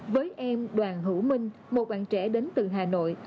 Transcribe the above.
với em đoàn hữu minh một bạn trẻ đến từ hà nội